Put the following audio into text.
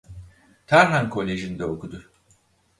Tarhan Kolejinde okudu.